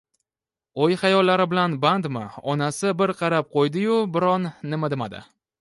O`y-xayollari bilan bandmi, onasi bir qarab qo`ydi-yu, biron nima demadi